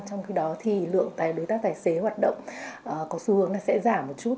trong khi đó thì lượng đối tác tài xế hoạt động có xu hướng là sẽ giảm một chút